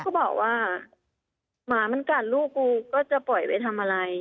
เขาบอกว่าหมามันกัดลูกกูก็จะปล่อยไปทำอะไร